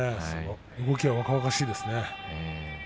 動きが若々しいですね。